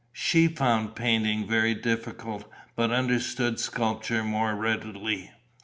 She found painting very difficult, but understood sculpture much more readily.